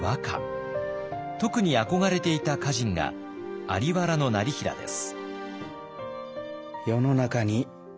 特に憧れていた歌人が在原業平です。